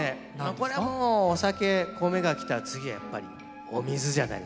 これはもうお酒米がきたら次はやっぱりお水じゃないですか？